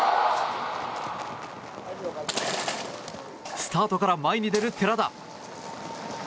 スタートから前に出る寺田。